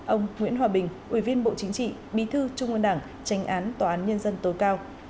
ông nguyễn hòa bình ủy viên bộ chính trị bí thư trung ương đảng tranh án tòa án nhân dân tối cao